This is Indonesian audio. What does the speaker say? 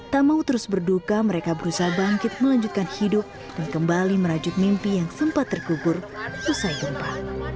tak mau terus berduka mereka berusaha bangkit melanjutkan hidup dan kembali merajut mimpi yang sempat terkubur usai gempa